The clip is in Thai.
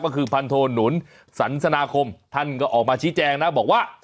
ก็คือพันโทหนุนสันสนาคมท่านก็ออกมาชี้แจงนะบอกว่า